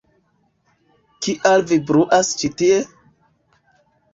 Kial vi bruas ĉi tie?!